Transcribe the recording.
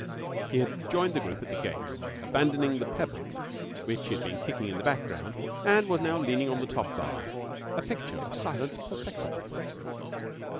He had joined the group at the gate, abandoning the pebble which he had been kicking in the background, and was now leaning on the top bar, a picture of silent perplexity.